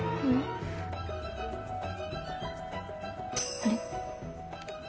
あれ？